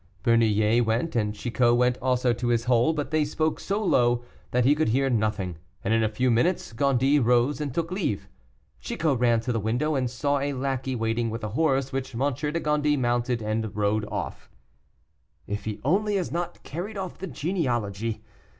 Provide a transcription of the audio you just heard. Bernouillet went, and Chicot went also to his hole: but they spoke so low that he could hear nothing, and in a few minutes Gondy rose and took leave. Chicot ran to the window, and saw a lackey waiting with a horse, which M. de Gondy mounted and rode off. "If he only has not carried off the genealogy.